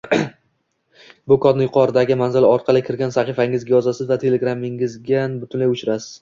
Bu kodni yuqoridagi manzil orqali kirgan sahifangizga yozasiz va Telegramingizni butunlay o’chirasiz